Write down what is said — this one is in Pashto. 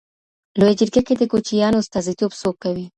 لویه جرګه کي د کوچیانو استازیتوب څوک کوي؟